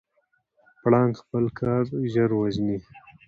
پړانګ خپل ښکار ژر وژني.